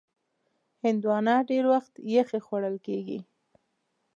هندوانه ډېر وخت یخې خوړل کېږي.